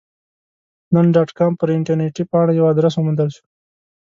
نن ډاټ کام پر انټرنیټي پاڼه یو ادرس وموندل شو.